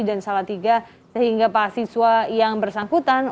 dan salah tiga sehingga mahasiswa yang bersangkutan